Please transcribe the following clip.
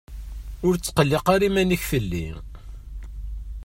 Ur ttqelliq ara iman-ik fell-i.